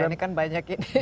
iya ini kan banyak ini